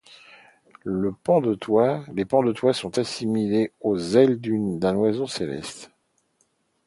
Les pans de toit sont assimilés aux ailes d’un oiseau céleste.